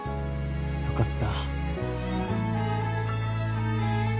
よかった。